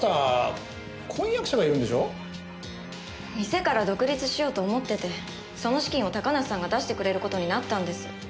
店から独立しようと思っててその資金を高梨さんが出してくれる事になったんです。